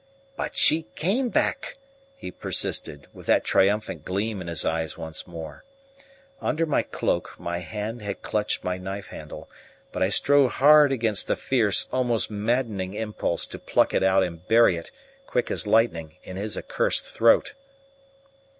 "But she came back!" he persisted, with that triumphant gleam in his eyes once more. Under my cloak my hand had clutched my knife handle, but I strove hard against the fierce, almost maddening impulse to pluck it out and bury it, quick as lightning, in his accursed throat.